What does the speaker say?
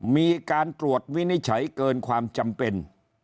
มีการตรวจวินิจฉัยเกินความจำเป็น